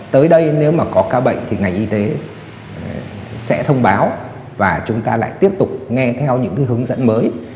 tới đây nếu mà có ca bệnh thì ngành y tế sẽ thông báo và chúng ta lại tiếp tục nghe theo những hướng dẫn mới